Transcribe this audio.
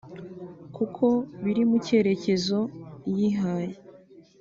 kuko biri mu cyerekezo yihaye